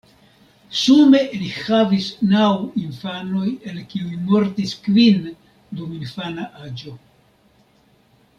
Sume li havis naŭ infanoj el kiuj mortis kvin dum infana aĝo.